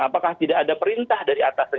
apakah tidak ada perintah dari atasnya